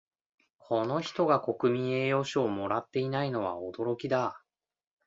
この人が国民栄誉賞をもらっていないのは驚きだ